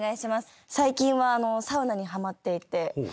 最近はサウナにハマっていて。